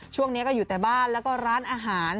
ช่วงนี้ก็อยู่แต่บ้านแล้วก็ร้านอาหาร